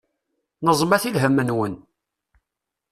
Neẓmet i lhem-nwen.